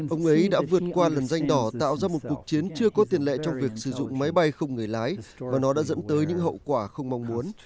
ông ấy đã vượt qua lần danh đỏ tạo ra một cuộc chiến chưa có tiền lệ trong việc sử dụng máy bay không người lái và nó đã dẫn tới những hậu quả không mong muốn